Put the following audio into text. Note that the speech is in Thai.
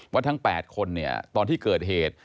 ทั้ง๘คนเนี่ยตอนที่เกิดเหตุ